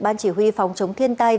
ban chỉ huy phòng chống thiên tai